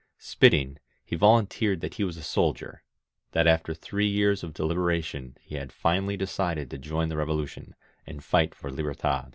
Spitting, he vol unteered that he was a soldier; that after three years of deliberation he had finally decided to join the Revo lution and fight for Libertad.